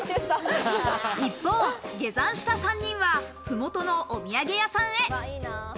一方、下山した３人はふもとのお土産屋さんへ。